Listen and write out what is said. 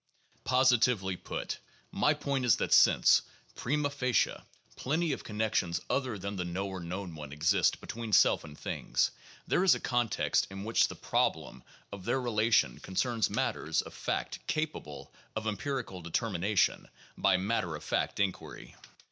Positively put, my point is that since, prima facie, plenty of connections other than the knower known one exist between self and things, there is a con text in which the "problem" of their relation concerns matters of 554 THE JOURNAL OF PHILOSOPHY fact capable of empirical determination by matter of fact inquiry.